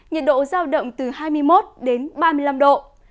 nhiệt độ giao động từ hai mươi một đến ba mươi năm độ